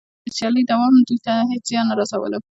د سیالۍ دوام دوی ته هېڅ زیان نه رسولو